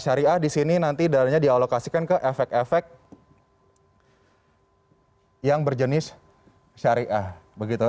syariah di sini nanti darinya di alokasikan ke efek efek yang berjenis syariah